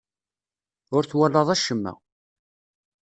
Ur twalaḍ acemma.